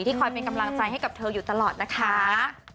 คอยเป็นกำลังใจให้กับเธออยู่ตลอดนะคะ